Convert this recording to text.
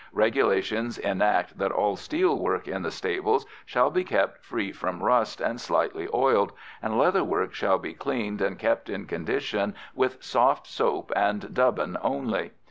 Regulations enact that all steel work in the stables shall be kept free from rust, and slightly oiled, and leather work shall be cleaned and kept in condition with soft soap and dubbin only.